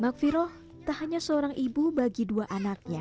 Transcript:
makfiroh tak hanya seorang ibu bagi dua anaknya